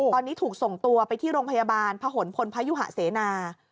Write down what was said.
ตอนนี้ถูกส่งตัวไปที่โรงพยาบาลพะหนพลพยุหะเสนา